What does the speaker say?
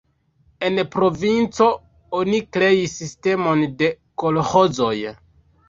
En provinco oni kreis sistemon de kolĥozoj.